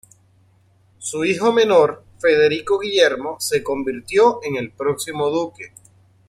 Su hijo menor, Federico Guillermo se convirtió en el próximo duque.